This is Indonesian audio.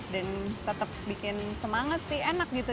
dan tetep bikin semangat sih enak gitu